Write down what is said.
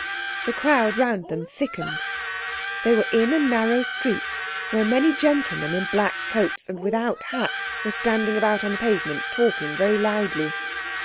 The crowd round them thickened. They were in a narrow street where many gentlemen in black coats and without hats were standing about on the pavement talking very loudly.